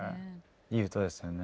いい歌ですよね。